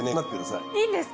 いいんですか？